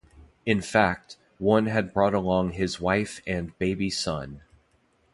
In fact, one had brought along his wife and baby son.